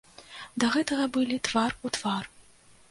Да гэтага былі твар у твар.